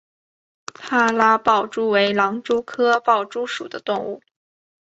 帕拉豹蛛为狼蛛科豹蛛属的动物。